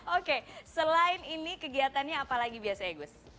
oke selain ini kegiatannya apa lagi biasa ya gus